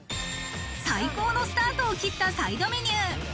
最高のスタートを切ったサイドメニュー。